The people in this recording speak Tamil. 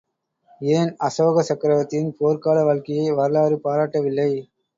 ஏன், அசோக சக்கரவர்த்தியின் போர்க்கால வாழ்க்கையை வரலாறு பாராட்டவில்லை?